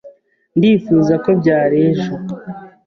Ndifuza ko byari ejo.